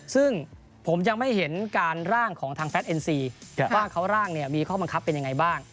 ซึ่งผมยังไม่เห็นการร่างของทางแฟทเอ็นซีว่าเขาร่างเนี่ยมีข้อบังคับเป็นยังไงบ้าง